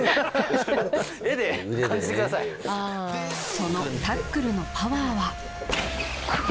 そのタックルのパワーは。